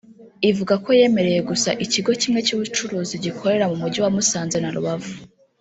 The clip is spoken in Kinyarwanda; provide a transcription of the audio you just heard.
Ivuga ko yemereye gusa ikigo kimwe cy’ubucuruzi gikorera mu Mujyi wa Musanze na Rubavu